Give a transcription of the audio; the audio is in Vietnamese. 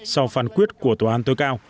sau phán quyết của tòa án tối cao